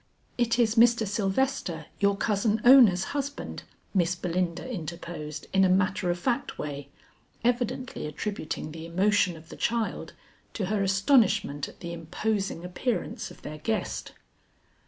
"It is Mr. Sylvester, your cousin Ona's husband," Miss Belinda interposed in a matter of fact way, evidently attributing the emotion of the child to her astonishment at the imposing appearance of their guest.